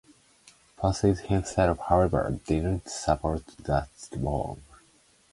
Posse himself, however, did not support the reform.